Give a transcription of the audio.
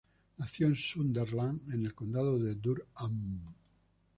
Nació en Sunderland, en el Condado de Durham.